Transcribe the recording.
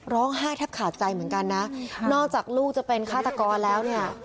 แทบขาดใจเหมือนกันนะนอกจากลูกจะเป็นฆาตกรแล้วเนี่ย